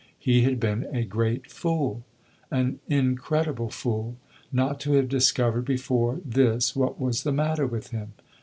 He had been a great fool an incredible fool not to have discovered before this what was the matter with him!